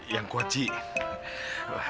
yang kuat cik